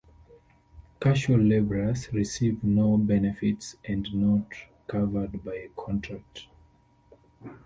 Casual labourers receive no benefits and are not covered by a contract.